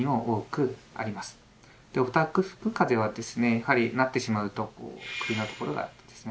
やはりなってしまうと首のところがですね